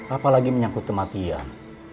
apalagi menyakuti matian